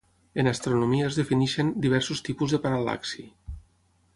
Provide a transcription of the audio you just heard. En astronomia es defineixen diversos tipus de paral·laxi.